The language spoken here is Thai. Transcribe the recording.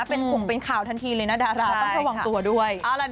เป็นขงเป็นข่าวทันทีเลยนะดาราต้องระวังตัวด้วย